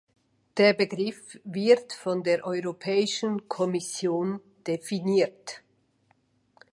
Der Begriff wird von der Europäischen Kommission definiert.